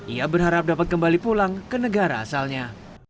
ia berharap dapat kembali pulang ke negara asalnya